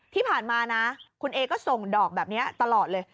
ที่ผ่านมานะคุณเอก็ส่งดอกแบบนี้ตลอดเลย